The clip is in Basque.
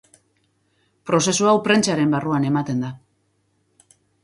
Prozesu hau prentsaren barruan ematen da.